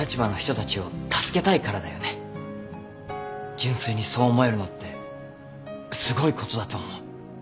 純粋にそう思えるのってすごいことだと思う。